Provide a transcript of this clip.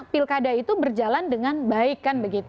pilkada itu berjalan dengan baik